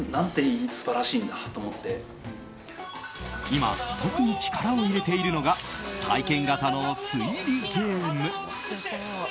今、特に力を入れているのが体験型の推理ゲーム。